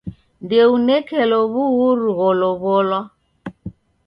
Ndounekelo w'uhuru gholow'olwa.